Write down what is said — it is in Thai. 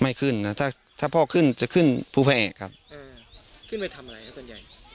ไม่ขึ้นนะถ้าถ้าพ่อขึ้นจะขึ้นภูแอร์ครับอ่าขึ้นไปทำอะไรครับส่วนใหญ่